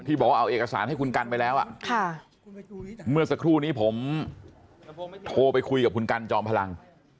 บอกว่าเอาเอกสารให้คุณกันไปแล้วเมื่อสักครู่นี้ผมโทรไปคุยกับคุณกันจอมพลัง